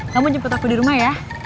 kamu jemput aku di rumah ya